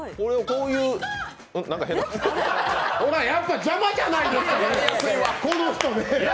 なんか、変なやっぱ邪魔じゃないですか、この人。